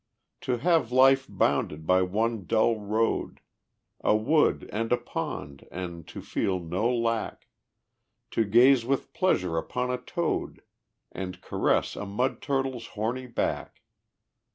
To have life bounded by one dull road, A wood and a pond, and to feel no lack, To gaze with pleasure upon a toad, And caress a mud turtle's horny back?